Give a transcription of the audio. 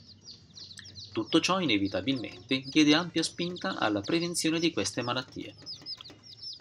Tutto ciò inevitabilmente diede ampia spinta alla prevenzione di queste malattie.